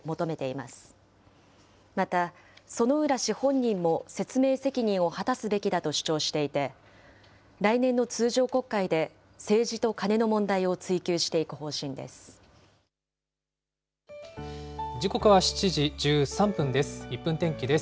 また、薗浦氏本人も説明責任を果たすべきだと主張していて、来年の通常国会で政治とカネの問題を追及していく方針です。